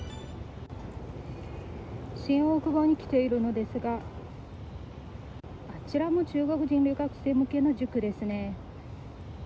新大久保に来ているのですがあちらも中国人学生向けの塾ですね。